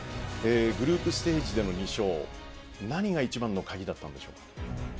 グループステージでの２勝何が一番の鍵だったんでしょうか。